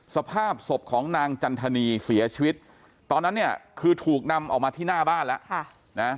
สภาพศพของนางจันทนีเสียชีวิตตอนนั้นเนี่ยคือถูกนำออกมาที่หน้าบ้านแล้ว